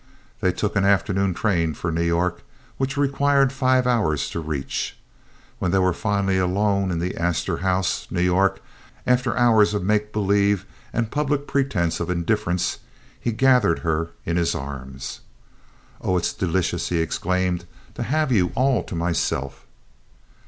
They took an afternoon train for New York, which required five hours to reach. When they were finally alone in the Astor House, New York, after hours of make believe and public pretense of indifference, he gathered her in his arms. "Oh, it's delicious," he exclaimed, "to have you all to myself."